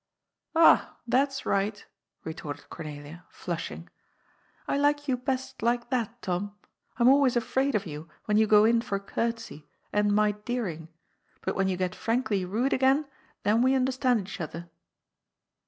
" Ah, that's right," retorted Cornelia, fiushing. " I like you best like that, Tom. I'm always afraid of you when you go in for courtesy and *my dear' ing, but when you get frankly rude again, then we understand each other.